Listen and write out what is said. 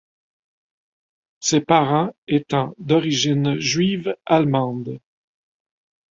Ses parents étant d'origine juive-allemande.